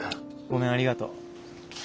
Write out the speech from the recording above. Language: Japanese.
ごめんありがとう。